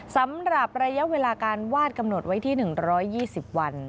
สำหรับระยะเวลาการวาดกำหนดไว้ที่๑๒๐วัน